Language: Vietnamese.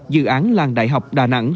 dự án làng đại học đà nẵng